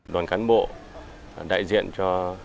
đoàn cán bộ đại dịch